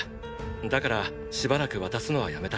だからしばらく渡すのはやめた。